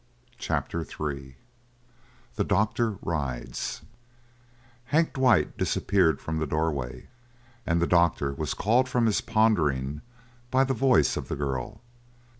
CHAPTER III THE DOCTOR RIDES Hank Dwight disappeared from the doorway and the doctor was called from his pondering by the voice of the girl.